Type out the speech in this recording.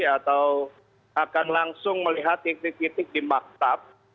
atau akan langsung melihat titik titik di maktab